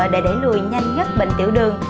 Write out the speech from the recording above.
để để lùi nhanh nhất bệnh tiểu đường